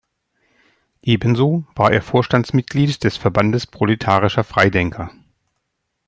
Ebenso war er Vorstandsmitglied des Verbandes proletarischer Freidenker.